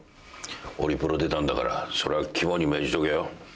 オリプロ出たんだからそれは肝に銘じとけよ。